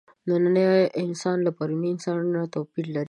نننی انسان له پروني انسانه توپیر لري.